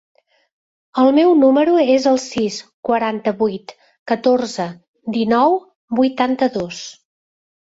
El meu número es el sis, quaranta-vuit, catorze, dinou, vuitanta-dos.